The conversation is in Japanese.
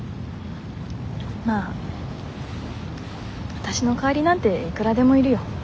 まあわたしの代わりなんていくらでもいるよ。